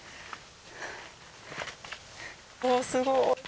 おすごっ。